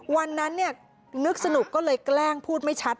วันนั้นนึกสนุกก็เลยแกล้งพูดไม่ชัด